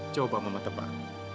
coba mama tebak